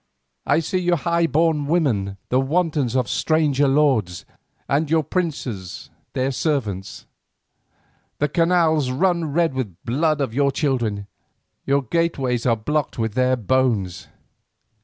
I see your highborn women the wantons of stranger lords, and your princes their servants; the canals run red with the blood of your children, your gateways are blocked with their bones.